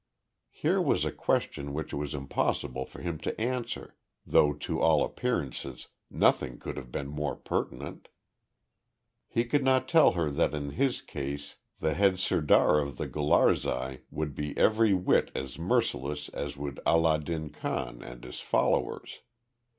Here was a question which it was impossible for him to answer, though to all appearances, nothing could have been more pertinent. He could not tell her that in his case the head sirdar of the Gularzai would be every whit as merciless as would Allah din Khan and his followers.